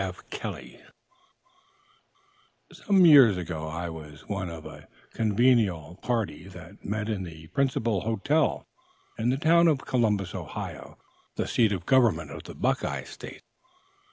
F. KELLEY Some years ago, I was one of a convivial party that met in the principal hotel in the town of Columbus, Ohio, the seat of government of the Buckeye state.